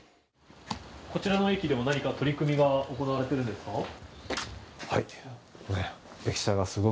こちらの駅でも何か取り組みが行われているんですか？